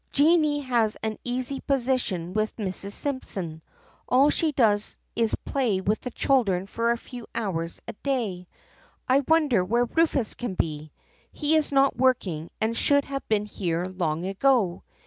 Jennie has an easy positon with Mrs. Simpson; all she does is play with the children for a few hours a day. I wonder where Rufus can be. He is not working and should have been here long ago.